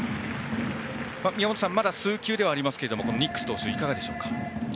宮本さん、まだ数球ですがニックス投手はいかがでしょうか。